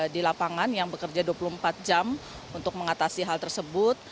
di lapangan yang bekerja dua puluh empat jam untuk mengatasi hal tersebut